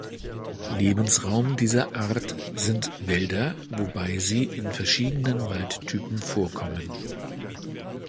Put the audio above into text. Lebensraum dieser Art sind Wälder, wobei sie in verschiedenen Waldtypen vorkommen.